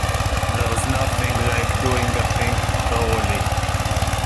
There's nothing like doing a thing thoroughly.